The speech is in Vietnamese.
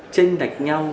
trên đạch nhau